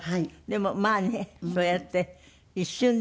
でもまあねそうやって一瞬でもね。